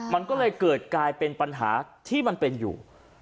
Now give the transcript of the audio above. มันก็เลยเกิดกลายเป็นปัญหาที่มันเป็นอยู่